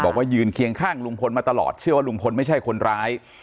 ยืนเคียงข้างลุงพลมาตลอดเชื่อว่าลุงพลไม่ใช่คนร้าย